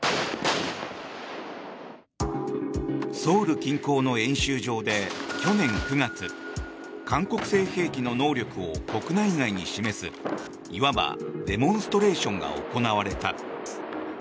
ソウル近郊の演習場で去年９月韓国製兵器の能力を国内外に示すいわばデモンストレーションが行われた。